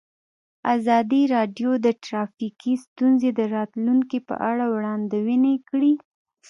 ازادي راډیو د ټرافیکي ستونزې د راتلونکې په اړه وړاندوینې کړې.